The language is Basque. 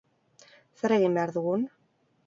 Zer egin behar dugun?